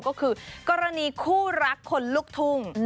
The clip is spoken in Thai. ก็คือกรณีคู่รักคนลูกทุ่ง